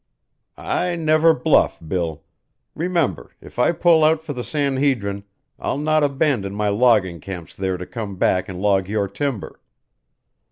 "I never bluff, Bill. Remember, if I pull out for the San Hedrin, I'll not abandon my logging camps there to come back and log your timber.